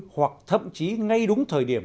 hoặc thậm chí ngay đúng thời điểm